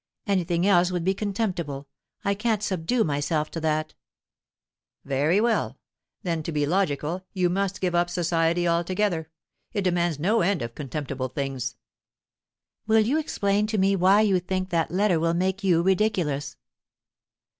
"Anything else would be contemptible. I can't subdue myself to that." "Very well; then to be logical you must give up society altogether. It demands no end of contemptible things." "Will you explain to me why you think that letter will make you ridiculous?"